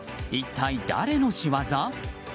一体誰の仕業？